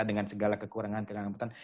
dengan segala kekurangan kekamputan